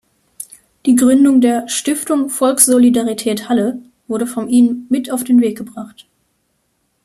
Die Gründung der „Stiftung Volkssolidarität Halle“ wurde von ihm mit auf den Weg gebracht.